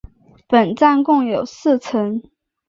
本站共有四层。